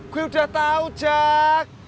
gue udah tahu jak